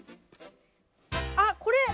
あっこれ！